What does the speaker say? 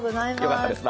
よかったです。